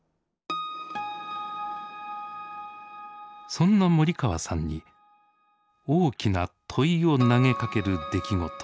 そんな森川さんに大きな問いを投げかける出来事が起きます。